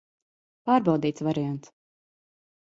Pārbaudīts variants.